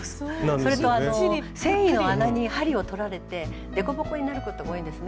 それと繊維の穴に針をとられて凸凹になることが多いんですね